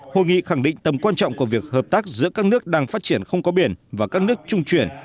hội nghị khẳng định tầm quan trọng của việc hợp tác giữa các nước đang phát triển không có biển và các nước trung chuyển